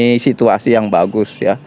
ini situasi yang bagus ya